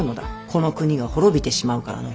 この国が滅びてしまうからの。